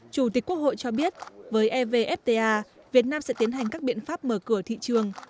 chủ tịch quốc hội cho biết với evfta việt nam sẽ tiến hành các biện pháp mở cửa thị trường